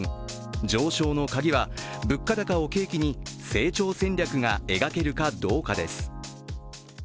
上昇のカギは、物価高を契機に成長戦略が描けるかどうかです。